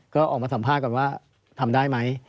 ก็ออกมาสัมภาษณ์ก่อนว่าทำได้ไหม